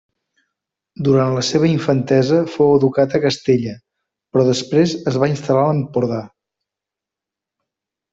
Durant la seva infantesa fou educat a Castella, però després es va instal·lar a l'Empordà.